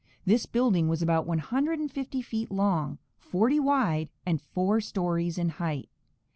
This building was about one hundred and fifty feet long, forty wide, and four stories in height.